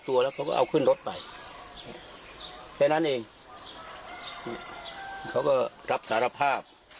แล้วเขาก็เอาขึ้นรถไปแค่นั้นเองเขาก็รับสารภาพ